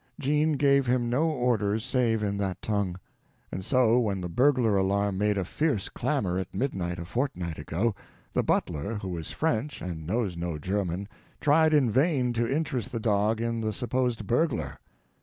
Jean gave him no orders save in that tongue. And so when the burglar alarm made a fierce clamor at midnight a fortnight ago, the butler, who is French and knows no German, tried in vain to interest the dog in the supposed burglar.